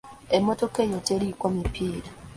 Emmotoka eyo teriiko mipiira.